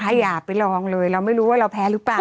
ถ้าอยากไปลองเลยเราไม่รู้ว่าเราแพ้หรือเปล่า